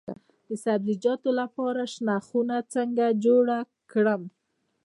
د سبزیجاتو لپاره شنه خونه څنګه جوړه کړم؟